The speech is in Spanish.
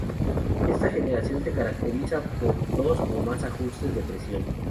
Esta generación se caracteriza por dos o más ajustes de presión.